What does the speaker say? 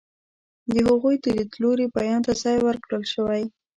د هغوی د لیدلوري بیان ته ځای ورکړل شوی.